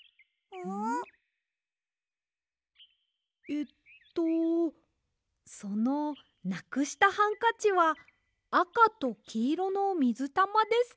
えっとそのなくしたハンカチはあかときいろのみずたまですか？